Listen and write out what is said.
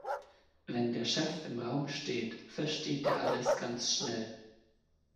Wenn der Chef im Raum steht, versteht er alles ganz schnell.